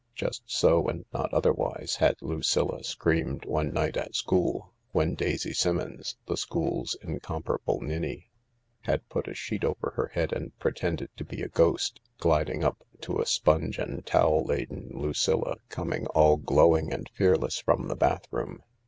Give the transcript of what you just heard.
Just so, and not otherwise, had Lucilla screamed one night at school when Daisy Simmons, the school's incomparable ninny, had put a sheet over her head and pretended to be a ghost, gliding up to a sponge and towel laden Lucilla coming all glowing and fearless from the bathroom.